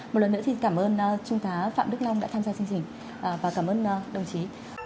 một lần nữa thì cảm ơn chúng ta phạm đức long đã tham gia chương trình và cảm ơn đồng chí